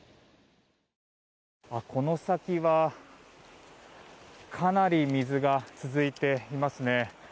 この先はかなり水が続いていますね。